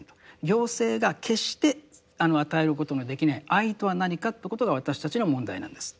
行政が決して与えることのできない愛とは何かということが私たちの問題なんですって